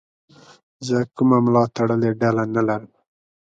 زه کومه ملاتړلې ډله نه لرم.